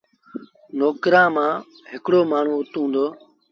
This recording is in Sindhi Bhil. نوڪرآݩٚ مآݩٚ هڪڙو مآڻهوٚٚ اُت هُݩدو